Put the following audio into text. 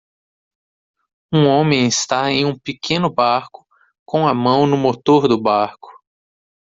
Um homem está em um pequeno barco com a mão no motor do barco.